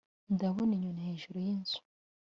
Ndabona inyoni hejuru yinzu